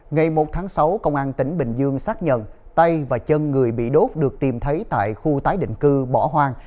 ngày một tháng sáu công an tỉnh bình dương xác nhận tay và chân người bị đốt được tìm thấy tại khu tái định cư bỏ hoang